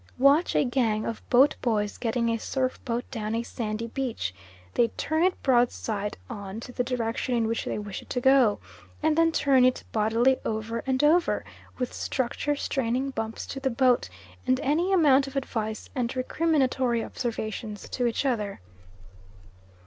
Watch a gang of boat boys getting a surf boat down a sandy beach. They turn it broadside on to the direction in which they wish it to go, and then turn it bodily over and over, with structure straining bumps to the boat, and any amount of advice and recriminatory observations to each other.